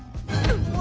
うわ！